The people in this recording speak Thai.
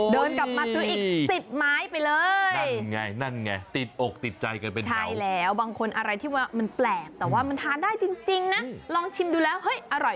กลับมาซื้ออีก๑๐ไม้ไปเลยอีกนะไงติดอกติดใจกันใหม่แล้วบางคนอะไรที่มันแปลงแต่ว่ามันทานได้จริงนะลองชิมดูแล้วเห้ย